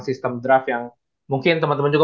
sistem draft yang mungkin temen temen juga